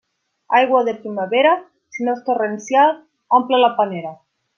Aigua de primavera, si no és torrencial, omple la panera.